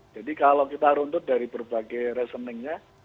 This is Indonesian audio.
jadi kalau kita runtut dari berbagai reasoningnya